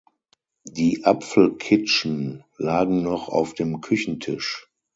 Die Apfelkitschen lagen noch auf dem Küchentisch.